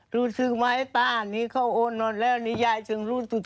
รู้สึกไหมป้าอันนี้เขาโอนหมดแล้วนี่ยายจึงรู้สึก